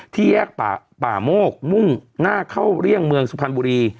แยกป่าโมกมุ่งหน้าเข้าเลี่ยงเมืองสุพรรณบุรี